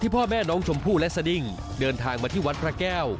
พ่อแม่น้องชมพู่และสดิ้งเดินทางมาที่วัดพระแก้ว